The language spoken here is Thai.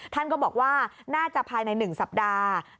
ท่านก็บอกว่าน่าจะภายใน๑สัปดาห์